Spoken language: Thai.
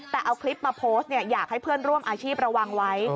แต่เอาคลิปมาโพสต์อยากให้เพื่อนร่วมอาชีพระวังไว้